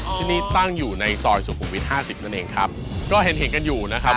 ที่นี่ตั้งอยู่ในซอยสุขุมวิทยห้าสิบนั่นเองครับก็เห็นเห็นกันอยู่นะครับ